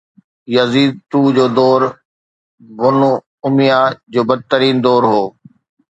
Yazid II جو دور Banu Umayya جو بدترين دور هو